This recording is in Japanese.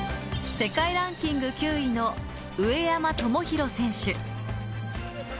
世界ランキング９位の上山友裕選手。